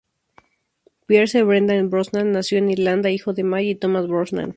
Pierce Brendan Brosnan nació en Irlanda, hijo de May y Thomas Brosnan.